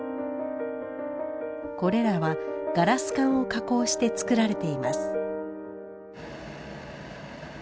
これらはガラス管を加工して作られています。